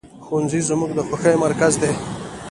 ښوونځی زموږ د خوښیو مرکز دی